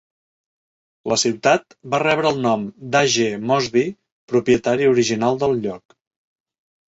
La ciutat va rebre el nom d'A. G. Mosby, propietari original del lloc.